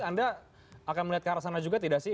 anda akan melihat ke arah sana juga tidak sih